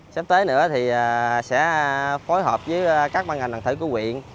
sắp tới nữa thì sẽ phối hợp với các ban ngành đàn thẩy của quyện